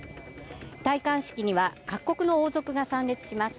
戴冠式には各国の王族が参列します。